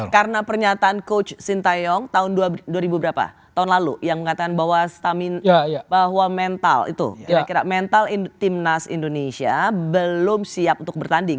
karena pernyataan coach sintayong tahun dua ribu berapa tahun lalu yang mengatakan bahwa mental itu kira kira mental timnas indonesia belum siap untuk bertanding